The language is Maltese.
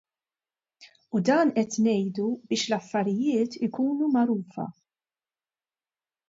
U dan qed ngħidu biex l-affarijiet ikunu magħrufa!